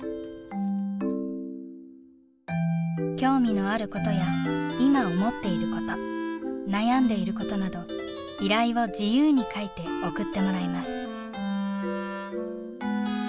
興味のあることや今思っていること悩んでいることなど依頼を自由に書いて送ってもらいます。